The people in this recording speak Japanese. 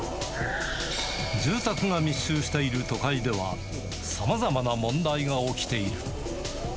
住宅が密集している都会では、さまざまな問題が起きている。